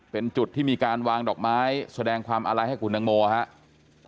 เป็นจุดที่มีการวางดอกไม้แสดงความอาลัยให้คุณตังโมครับ